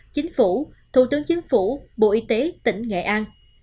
chính phủ thủ tướng chính phủ bộ y tế tỉnh nghệ an